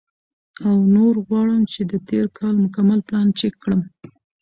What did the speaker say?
او نور غواړم چې د تېر کال مکمل پلان چیک کړم،